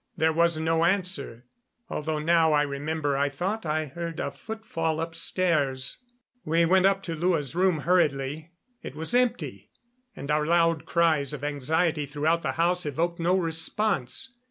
There was no answer, although now I remember I thought I heard a footfall upstairs. We went up to Lua's room hurriedly. It was empty, and our loud cries of anxiety throughout the house evoked no response.